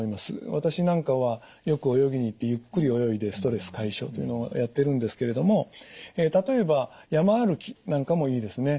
私なんかはよく泳ぎに行ってゆっくり泳いでストレス解消というのをやってるんですけれども例えば山歩きなんかもいいですね。